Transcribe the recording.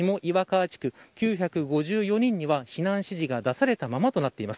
９５４人には避難指示が出されたままです。